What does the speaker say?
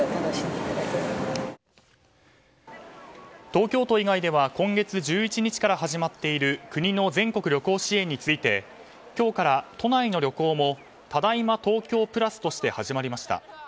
東京都以外では今月１１日から始まっている国の全国旅行支援について今日から都内の旅行もただいま東京プラスとして始まりました。